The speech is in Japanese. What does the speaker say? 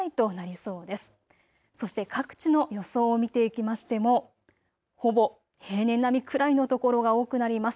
そして各地の予想を見ていきましてもほぼ平年並みくらいの所が多くなります。